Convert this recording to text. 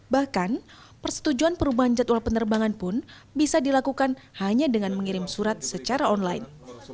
bahkan persetujuan perubahan jadwal penerbangan pun bisa dilakukan hanya dengan mengirim surat secara online